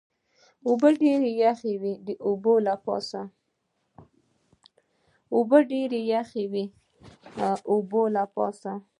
اوبه ډېرې یخې وې، د اوبو له پاسه.